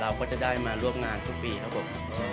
เราก็จะได้มาร่วมงานทุกปีครับผม